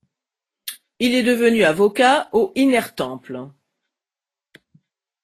Il est devenu avocat au Inner Temple.